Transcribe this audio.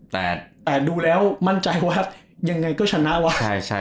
แต่ดูแล้วมั่นใจว่ายังไงก็ชนะวะ